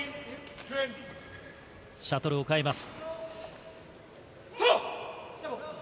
シャトルを変えます。